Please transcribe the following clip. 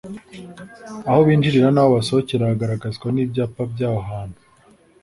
aho binjirira n'aho basohokera hagaragazwa n'ibyapa by'aho hantu